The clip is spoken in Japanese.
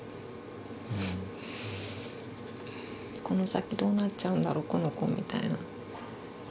この先どうなっちゃうんだろう、この子みたいな。